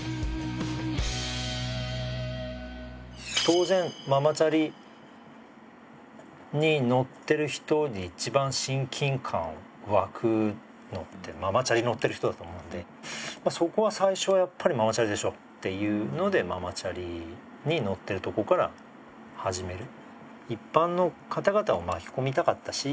当然ママチャリに乗ってる人に一番親近感湧くのってママチャリ乗ってる人だと思うんで「そこは最初はやっぱりママチャリでしょ」っていうのでママチャリに乗ってるとこから始める。